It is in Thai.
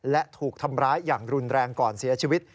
และถูกทำร้ายอย่างรุนแรงก่อนเสียชีวิต